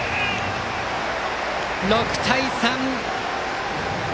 ６対３。